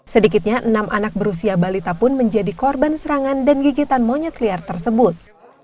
sedikitnya enam anak berusia balita pun menjadi korban serangan dan gigitan monyet liar tersebut